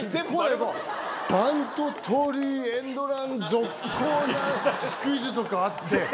バント盗塁エンドランスクイズとかあって。